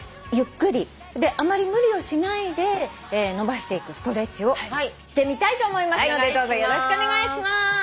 であまり無理をしないで伸ばしていくストレッチをしてみたいと思いますのでどうぞよろしくお願いしまーす。